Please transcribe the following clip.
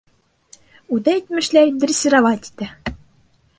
Үҙе әйтмешләй, дрессировать итә.